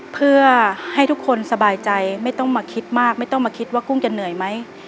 เพื่อให้ทุกคนสบายใจไม่ต้องมาคิดมากไม่ต้องมาคิดว่ากุ้งจะเหนื่อยไหม